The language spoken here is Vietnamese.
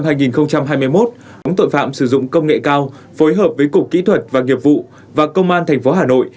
phòng chống tội phạm sử dụng công nghệ cao phối hợp với cục kỹ thuật và nghiệp vụ và công an tp hà nội